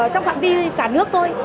trong phạm vi cả nước thôi